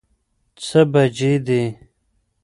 څه بجې دي؟